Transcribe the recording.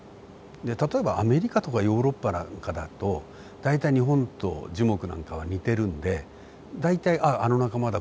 例えばアメリカとかヨーロッパなんかだと大体日本と樹木なんかは似てるんで大体あの仲間だ